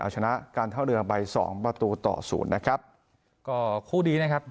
ชนะการท่าเรือไปสองประตูต่อศูนย์นะครับก็คู่นี้นะครับ